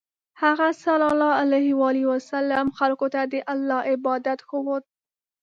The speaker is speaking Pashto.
هغه ﷺ خلکو ته د الله عبادت ښوود.